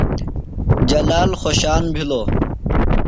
جلال خوۡشان بِھلوۡ۔